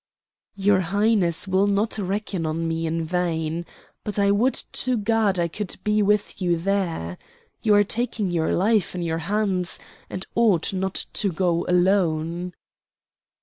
"Your Highness will not reckon on me in vain. But I would to God I could be with you there. You are taking your life in your hands, and ought not to go alone."